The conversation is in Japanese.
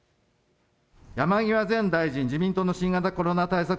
山際前大臣、自民党の新型コロナ対策